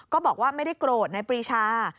ก็บอกว่าไม่ได้โกรธนายปรีชา